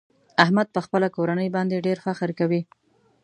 احمد په خپله کورنۍ باندې ډېر فخر کوي.